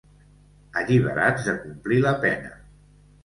Alliberats de complir la pena.